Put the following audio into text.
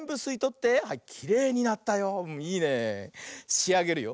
しあげるよ。